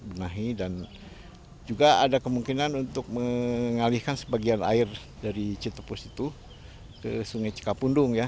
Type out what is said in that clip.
benahi dan juga ada kemungkinan untuk mengalihkan sebagian air dari citepus itu ke sungai cikapundung ya